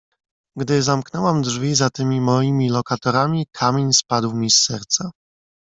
"Gdy zamknęłam drzwi za tymi moimi lokatorami, kamień spadł mi z serca."